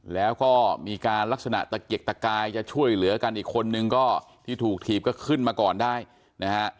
แล้วก็มีการลักษณะตะเกียกตะกายจะช่วยเหลือกันอีกคนนึงก็ที่ถูกถีบก็ขึ้นมาก่อนได้นะฮะ